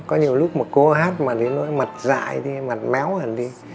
có nhiều lúc mà cô hát mà thấy nó mặt dại đi mặt méo hơn đi